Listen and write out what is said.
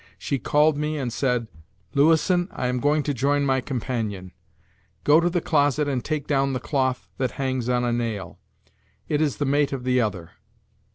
She called me and said: 'Louison, I am going to join my companion; go to the closet and take down the cloth that hangs on a nail; it is the mate of the other.'